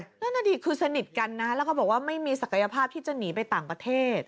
นั่นน่ะดิคือสนิทกันนะแล้วก็บอกว่าไม่มีศักยภาพที่จะหนีไปต่างประเทศ